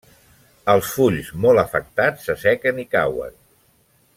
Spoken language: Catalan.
Els fulls molt afectats s'assequen i cauen.